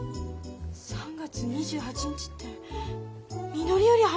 ３月２８日ってみのりより早いじゃない。